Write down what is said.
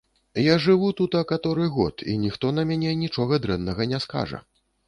Я жыву тута каторы год, і ніхто на мяне нічога дрэннага не скажа.